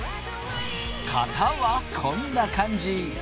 型はこんな感じ。